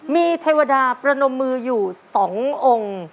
มีเทวดาประนมมืออยู่๒องค์